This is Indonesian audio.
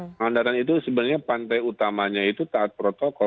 pengandaran itu sebenarnya pantai utamanya itu tak protokol